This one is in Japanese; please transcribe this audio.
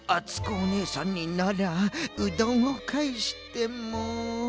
おねえさんにならうどんをかえしても。